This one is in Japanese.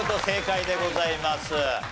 正解でございます。